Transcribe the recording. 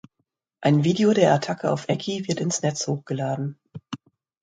Ein Video der Attacke auf Ekki wird ins Netz hochgeladen.